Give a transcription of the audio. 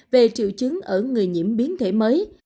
về triệu chứng ở người nhiễm biến thể mới